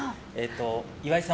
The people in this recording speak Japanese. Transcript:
岩井さん